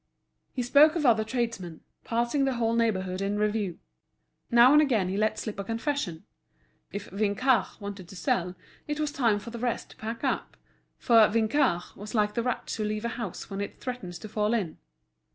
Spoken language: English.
He spoke of other tradesmen, passing the whole neighbourhood in review. Now and again he let slip a confession. If Vinçard wanted to sell it was time for the rest to pack up, for Vinçard was like the rats who leave a house when it threatens to fall in.